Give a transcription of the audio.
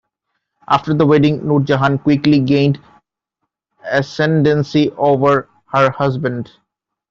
After the wedding, Nur Jahan quickly gained ascendency over her husband.